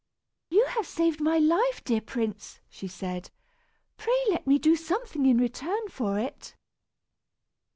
"You have saved my life, dear prince," she said. "Pray let me do something in return for it."